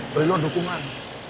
beri lo dukungan